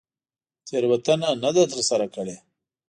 تېروتنه نه ده تر سره کړې.